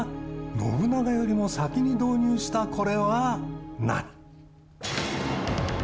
信長よりも先に導入したもの。